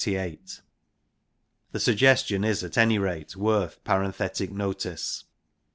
The suggestion is at any rate worth parenthetic notice.